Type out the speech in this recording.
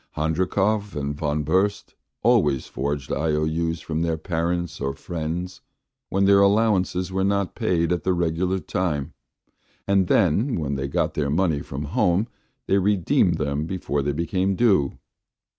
Handrikov and Von Burst always forged IOU's from their parents or friends when their allowances were not paid at the regular time, and then when they got their money from home they redeemed them before they became due.